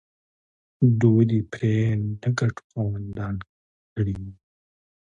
دوی د پرې نه ګټو خاوندان کړي وو.